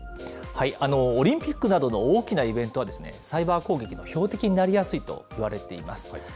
オリンピックなどの大きなイベントは、サイバー攻撃の標的になりやすいといわれています。